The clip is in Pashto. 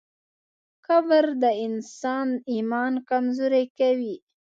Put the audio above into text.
کبر د انسان ایمان کمزوری کوي.